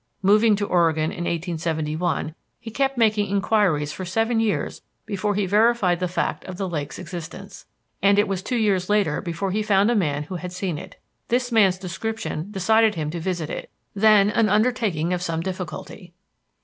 Moving to Oregon in 1871, he kept making inquiries for seven years before he verified the fact of the lake's existence, and it was two years later before he found a man who had seen it. This man's description decided him to visit it, then an undertaking of some difficulty.